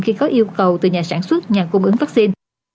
khi có yêu cầu từ nhà sản xuất nhà cung ứng vaccine